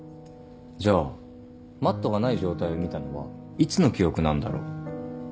じゃあマットがない状態を見たのはいつの記憶なんだろう。